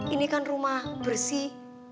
ini kan rumah bersih